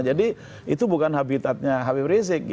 jadi itu bukan habitatnya habib rizik